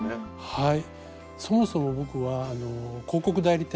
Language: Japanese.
はい。